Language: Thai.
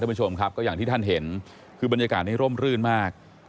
ผู้ชมครับก็อย่างที่ท่านเห็นคือบรรยากาศนี้ร่มรื่นมาก